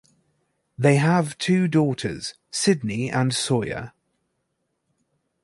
They have two daughters, Sydney and Sawyer.